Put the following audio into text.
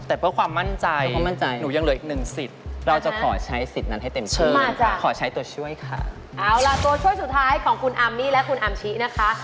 แต่เพื่อความมั่นใจความมั่นใจหนูยังเหลืออีกหนึ่งสิทธิ์เราจะขอใช้สิทธิ์นั้นให้เต็มที่ขอใช้ตัวช่วยค่ะเอาล่ะตัวช่วยสุดท้ายของคุณอามมี่และคุณอามชินะคะ